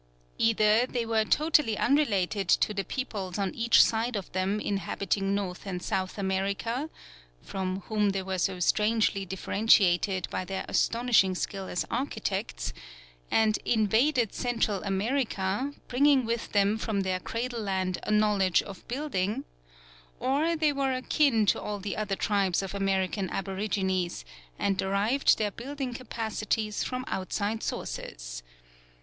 Either they were totally unrelated to the peoples on each side of them inhabiting North and South America (from whom they were so strangely differentiated by their astonishing skill as architects) and invaded Central America, bringing with them from their cradle land a knowledge of building; or they were akin to all the other tribes of American aborigines, and derived their building capacities from outside sources.